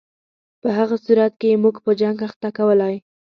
په هغه صورت کې یې موږ په جنګ اخته کولای.